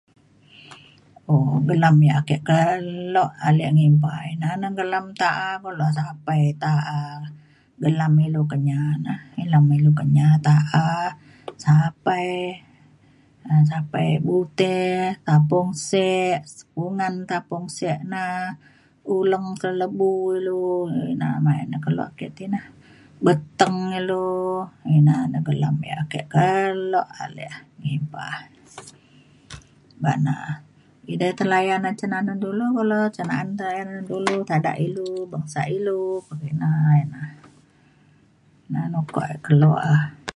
Gelam yak ake kelo alek ngimba ya ina gelam ta'a kulo , sapai ta'a, gelam ilu Kenyah na , ta'a , sapai. En sapai yak butek, tapung sek ,selungan tapung sek na , uleng kelebu ilu , main na kelo ake ti na, beteng ilu, ina na gelam yak ake kelo alek ngimba, bak na. Ina tei layan naat cun ngam anun dulue kelo , cen na'an layan ngan dulue tadak ilu , bangsa ilu pekina na ina, nak uko ake kelo na